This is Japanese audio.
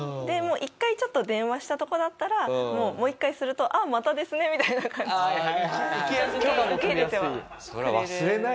１回ちょっと電話したとこだったらもう１回するとあっまたですねみたいな感じで受け入れてはくれる。